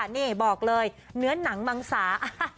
นี่บอกเลยเนื้อหนังมังสา